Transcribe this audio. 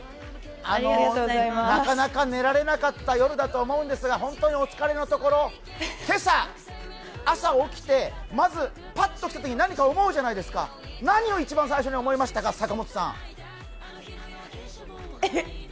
なかなか寝られなかった夜だと思うんですが、本当にお疲れのところ今朝、朝起きてまずパッと起きたときに何か思うじゃないですか何を一番最初に思いましたか？